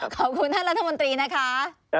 ขอบคุณท่านรัฐมนตรีนะคะ